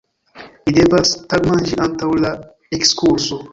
Mi devas tagmanĝi antaŭ la ekskurso!